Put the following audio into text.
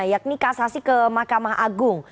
yakni kasasi ke mahkamah agung